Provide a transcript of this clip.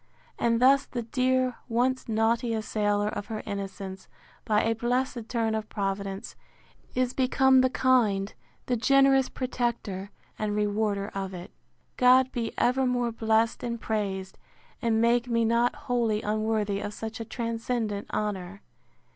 And thus the dear, once naughty assailer of her innocence, by a blessed turn of Providence, is become the kind, the generous protector and rewarder of it. God be evermore blessed and praised! and make me not wholly unworthy of such a transcendent honour!